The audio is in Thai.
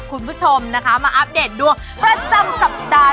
คุณผู้ชมนะคะมาอัปเดตดวงประจำสัปดาห์